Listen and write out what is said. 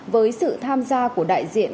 với sự tham gia của đại diện